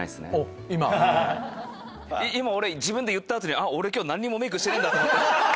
今俺自分で言った後に何にもメイクしてねえんだ！と思った。